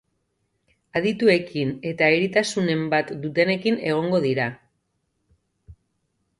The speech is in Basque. Adituekin eta eritasunen bat dutenekin egongo dira.